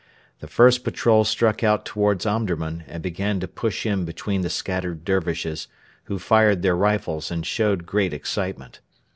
The first patrol struck out towards Omdurman, and began to push in between the scattered Dervishes, who fired their rifles and showed great excitement.